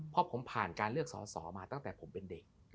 เพราะผมผ่านการเลือกสอสอมาตั้งแต่ผมเป็นเด็ก